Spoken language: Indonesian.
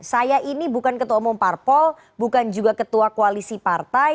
saya ini bukan ketua umum parpol bukan juga ketua koalisi partai